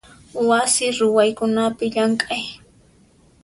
Wasi ruwaykunapi llamk'ay.